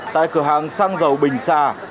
tại cửa hàng xăng dầu bình sa